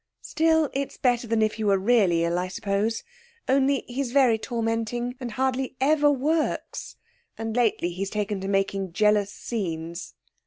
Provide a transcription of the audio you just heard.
Still, it's better than if he were really ill, I suppose. Only he's very tormenting, and hardly ever works, and lately he's taken to making jealous scenes.'